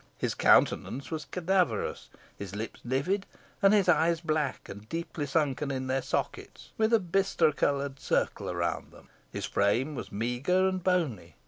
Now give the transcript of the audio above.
His countenance was cadaverous, his lips livid, and his eyes black and deep sunken in their sockets, with a bistre coloured circle around them. His frame was meagre and bony.